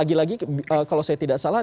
karena lagi lagi kalau saya tidak salah